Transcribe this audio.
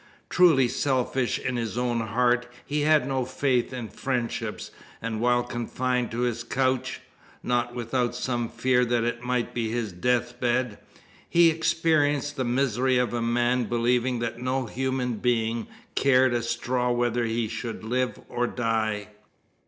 Truly selfish in his own heart, he had no faith in friendships; and while confined to his couch not without some fears that it might be his death bed he experienced the misery of a man believing that no human being cared a straw whether he should live or die.